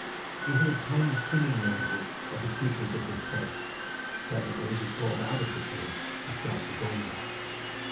He heard tiny singing noises of the creatures of this place. Presently he crawled out of the cave to scout for danger.